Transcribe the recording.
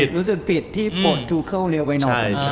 รู้สึกผิดที่ปลดทูเคิลเร็วไปหน่อย